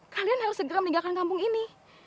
kalian harus segera meninggalkan kampung ini